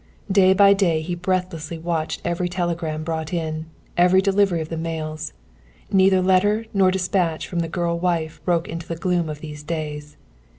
Day by day he had breathlessly watched every telegram brought in, every delivery of the mails. Neither letter nor dispatch from the girl wife broke into the gloom of these days.